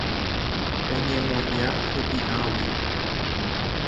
Oñemoña hupi'águi.